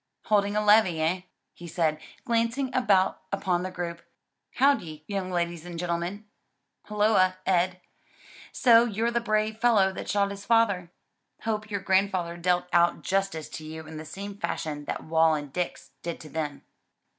"Holding a levee, eh?" he said, glancing about upon the group. "How d'ye, young ladies and gentlemen? Holloa, Ed! so you're the brave fellow that shot his father? Hope your grandfather dealt out justice to you in the same fashion that Wal and Dick's did to them."